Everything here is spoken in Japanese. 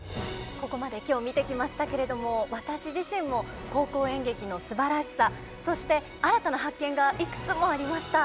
ここまで今日見てきましたけれども私自身も高校演劇のすばらしさそして新たな発見がいくつもありました。